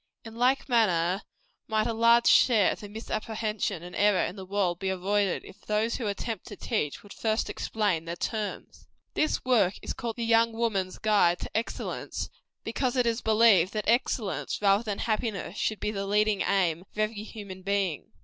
In like manner might a large share of the misapprehension and error in the world be avoided, if those who attempt to teach, would first explain their terms. This work is called "The Young Woman's Guide to EXCELLENCE," because it is believed that excellence, rather than happiness, should be the leading aim of every human being.